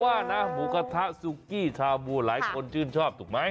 ว่านะหมูกระทะซุกี้ชาบูหลายคนชื่นชอบถูกไหม